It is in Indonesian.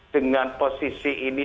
dengan posisi ini